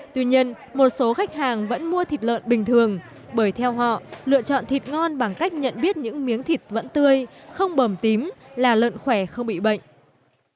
tuy nhiên một số khách hàng vẫn mua thịt lợn bình thường bởi theo họ lựa chọn thịt ngon bằng cách nhận biết những miếng thịt vẫn tươi không bầm tím là lợn khỏe không bị bệnh